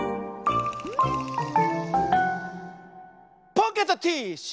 ポケットティッシュ！